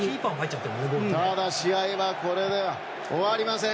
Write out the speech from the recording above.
ただ試合はこれで終わりません。